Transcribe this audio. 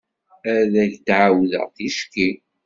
Ad ak-d-ɛawdeɣ ticki.